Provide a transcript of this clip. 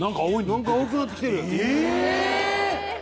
なんか青くなってきてる！